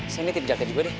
saya ini tip jaket juga deh